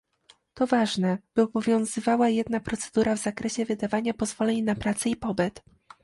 To ważne, by obowiązywała jedna procedura w zakresie wydawania pozwoleń na pracę i pobyt